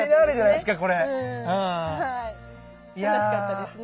いや楽しかったですね